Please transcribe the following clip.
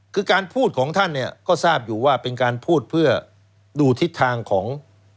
คือการพูดของท่านเนี่ยก็ทราบอยู่ว่าเป็นการพูดเพื่อดูทิศทางของ